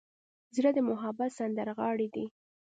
زړه د محبت سندرغاړی دی.